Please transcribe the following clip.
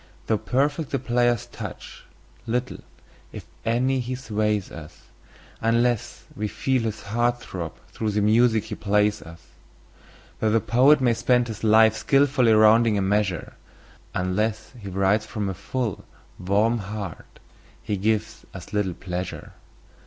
Though perfect the player's touch, little, if any, he sways us, Unless we feel his heart throb through the music he plays us. Though the poet may spend his life in skilfully rounding a measure, Unless he writes from a full, warm heart he gives us little pleasure.